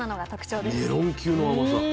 メロン級の甘さ。